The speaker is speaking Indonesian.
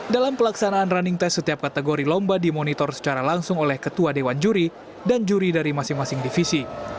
dalam pelaksanaan running test setiap kategori lomba dimonitor secara langsung oleh ketua dewan juri dan juri dari masing masing divisi